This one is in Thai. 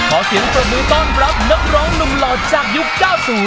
ขอเสียงปรบมือต้อนรับนักร้องหนุ่มหล่อจากยุค๙๐